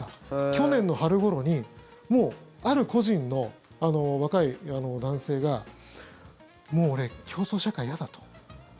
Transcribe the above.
去年の春ごろにある個人の若い男性がもう俺、競争社会、嫌だと。